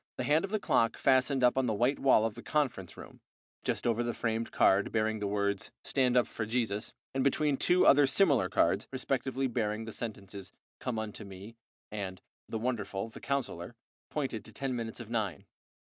The hand of the clock fastened up on the white wall of the conference room, just over the framed card bearing the words "Stand up for Jesus," and between two other similar cards, respectively bearing the sentences "Come unto Me," and "The Wonderful, the Counsellor," pointed to ten minutes of nine.